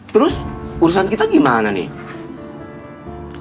terus urusan kita gimana nih